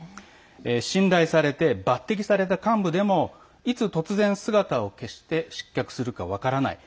信頼されて抜てきされた幹部でもいつ突然、姿を消して失脚するか分からない。